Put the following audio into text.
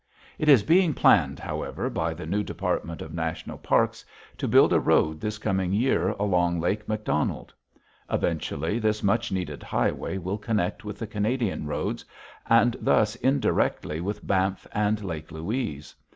It is being planned, however, by the new Department of National Parks to build a road this coming year along Lake McDonald. Eventually, this much needed highway will connect with the Canadian roads, and thus indirectly with Banff and Lake Louise.